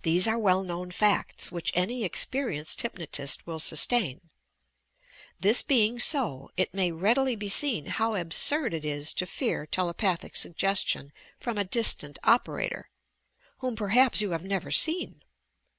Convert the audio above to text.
These are well known facts which any experienced hypnotist will sustain. This being so, it may readily be seen how absurd it is to fear telepathic suggestion from a distant operator, whom perhaps you have never seen!